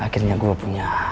akhirnya gue punya